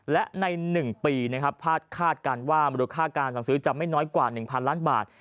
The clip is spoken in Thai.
และใน๑ปีพลาดคาดการว่าบริการสั่งซื้อจะไม่น้อยกว่า๑๐๐๐ล้านบาท